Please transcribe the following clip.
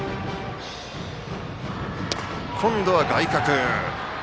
今度は外角。